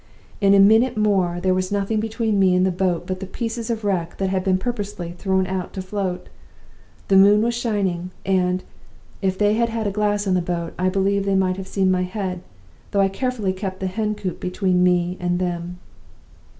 In a minute more there was nothing between me and the boat but the pieces of wreck that had been purposely thrown out to float. The moon was shining; and, if they had had a glass in the boat, I believe they might have seen my head, though I carefully kept the hen coop between me and them.